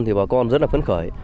thì bà con rất là phấn khởi